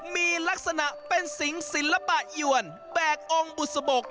มีลักษณะเป็นสิงศิลปะยวนแบกองค์บุษบก